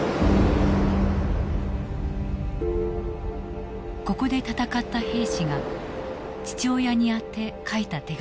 ここで戦った兵士が父親に宛て書いた手紙がある。